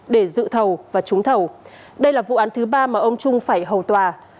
để dự thầu và trúng thầu đây là vụ án thứ ba mà ông trung phải hầu tòa